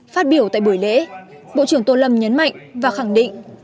phát biểu tại buổi lễ bộ trưởng tô lâm nhấn mạnh và khẳng định